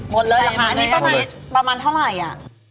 หมดเลยเหรอคะอันนี้ประมาณเท่าไหร่อ่ะ